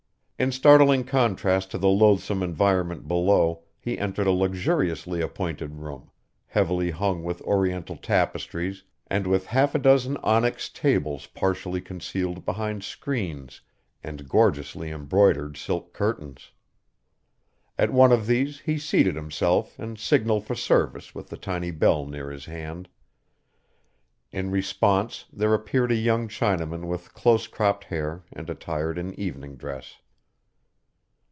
In startling contrast to the loathsome environment below he entered a luxuriously appointed room, heavily hung with oriental tapestries, and with half a dozen onyx tables partially concealed behind screens and gorgeously embroidered silk curtains. At one of these he seated himself and signaled for service with the tiny bell near his hand. In response there appeared a young Chinaman with close cropped hair and attired in evening dress.